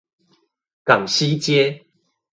港西街